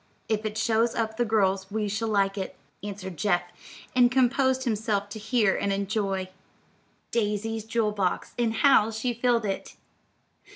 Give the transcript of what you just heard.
"If it shows up the girls we shall like it," answered Geoff, and composed himself to hear and enjoy DAISY'S JEWEL BOX, AND HOW SHE FILLED IT.